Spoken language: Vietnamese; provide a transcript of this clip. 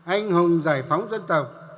anh hùng giải phóng dân tộc